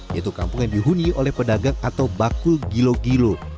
yaitu kampung yang dihuni oleh pedagang atau bakul gilo gilo